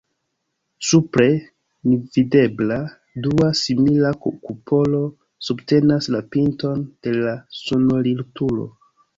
Supre, nevidebla, dua simila kupolo subtenas la pinton de la sonorilturo.